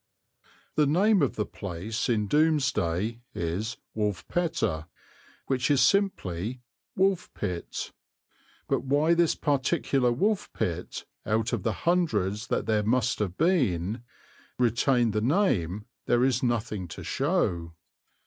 The name of the place in Domesday is "Wlfpeta," which is simply "Wolf pit," but why this particular wolf pit, out of the hundreds that there must have been, retained the name, there is nothing to show.